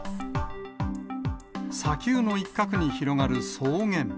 砂丘の一角に広がる草原。